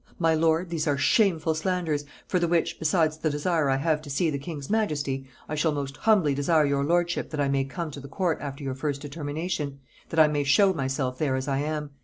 My lord, these are shameful slanders, for the which, besides the desire I have to see the king's majesty, I shall most humbly desire your lordship that I may come to the court after your first determination, that I may show myself there as I am."